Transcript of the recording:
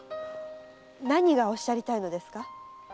何がおっしゃりたいのですか？